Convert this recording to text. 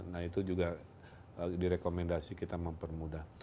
nah itu juga direkomendasi kita mempermudah